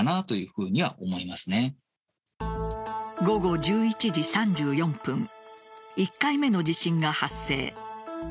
午後１１時３４分１回目の地震が発生。